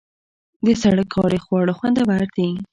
د سړک غاړې خواړه خوندور دي.